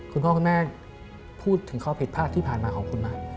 คุณพ่อคุณแม่พูดถึงข้อผิดพลาดที่ผ่านมาของคุณมัด